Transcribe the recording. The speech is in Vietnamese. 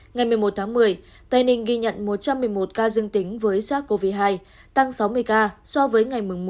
ngày một mươi một tháng một mươi tây ninh ghi nhận một trăm một mươi một ca dương tính với sars cov hai tăng sáu mươi ca so với ngày một mươi